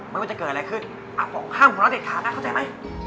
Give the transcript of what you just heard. ไม่ว่าจะเกิดอะไรขึ้นห้ามหัวเราะเด็ดขาดนะเข้าใจไหม